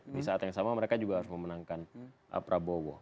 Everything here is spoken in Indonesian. di saat yang sama mereka juga harus memenangkan prabowo